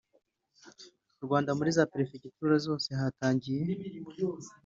Rwanda Muri za Perefegitura zose hatangiye